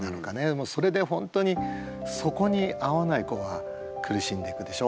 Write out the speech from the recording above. もうそれで本当にそこに合わない子は苦しんでいくでしょ。